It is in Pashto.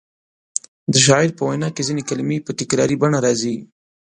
د شاعر په وینا کې ځینې کلمې په تکراري بڼه راځي.